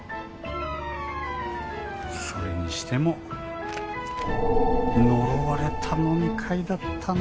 それにしても呪われた飲み会だったな。